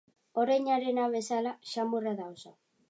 Oreinarena bezala, xamurra da oso.